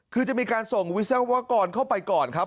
คือจะมีการส่งวิทยาลักษณ์ว่ากรเข้าไปก่อนครับ